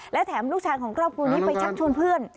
และแถมลูกชายของครอบครัวนี้ไปชักชวนเพื่อน